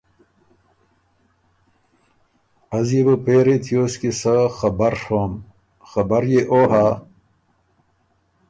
”از يې بُو پېری تیوس کی سۀ خبر ڒوم۔ خبر يې او هۀ